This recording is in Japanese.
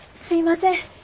すいません。